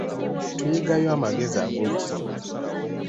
Tuyigayo amagezi ag'okusoma.